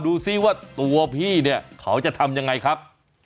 ดูซิว่าตัวพี่เนี่ยเขาจะทำยังไงครับ